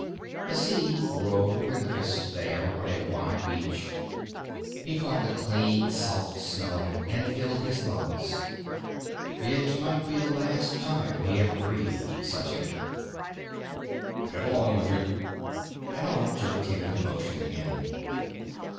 The sea rolled and hissed there on a wide beach. He caught the clean salt smell of it and filled his lungs. It might be the last time he ever breathed such air. "Get along with you." An arm jerked him into motion again.